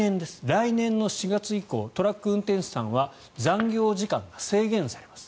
来年の４月以降トラック運転手さんは残業時間が制限されます。